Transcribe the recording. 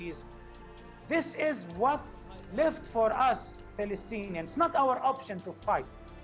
ini yang membuat kita palestina tidak ada pilihan untuk berjuang